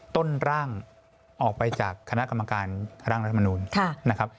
ต้นร่างออกไปจากคณะกรรมการร่างรัฐมนูลนะครับ